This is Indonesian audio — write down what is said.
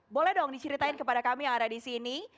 boleh dong diceritain kepada kami yang ada di sini